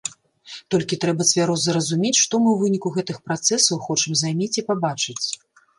Толькі трэба цвяроза разумець, што мы ў выніку гэтых працэсаў хочам займець і пабачыць.